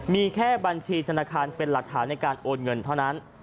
มีแค่บัญชีธนาคารเป็นหลักฐานในการโอนเงินเท่านั้น